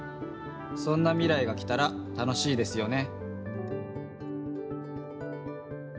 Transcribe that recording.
そんなみらいがきたら楽しいですよね。